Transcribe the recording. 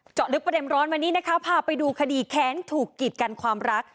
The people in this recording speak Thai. เจาะลึกประเด็นร้อนวันนี้นะคะพาไปดูคดีแค้นถูกกิดกันความรัก